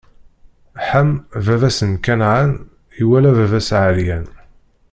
Ḥam, baba-s n Kanɛan, iwala baba-s ɛeryan.